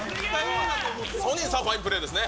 ソニンさん、ファインプレーですね。